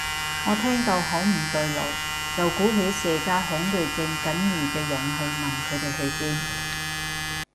我聽到好唔對路，就鼓起社交恐懼症僅餘嘅勇氣問佢哋去邊